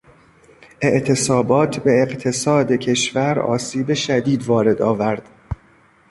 اعتصابات به اقتصاد کشور آسیب شدید وارد آورد.